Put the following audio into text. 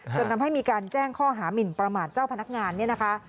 จนทำให้มีการแจ้งข้อหามินประมาทเจ้าพนักงานเนี่ยนะคะ